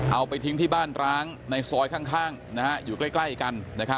เอาไปทิ้งที่บ้านร้างในซอยข้างอยู่ใกล้กัน